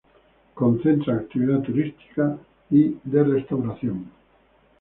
Concentra actividad turista y de restauración